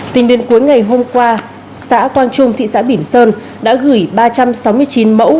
tính đến cuối ngày hôm qua xã quang trung thị xã bỉm sơn đã gửi ba trăm sáu mươi chín mẫu